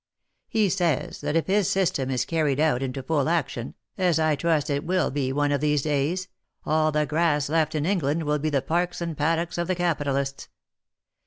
He says that if his system is carried out into full action, as I trust it will be one of these days, all the grass left in England will be the parks and paddocks of the capitalists.